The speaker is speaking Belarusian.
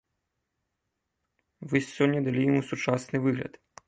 Вы сёння далі яму сучасны выгляд.